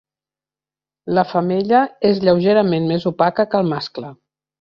La femella és lleugerament més opaca que el mascle.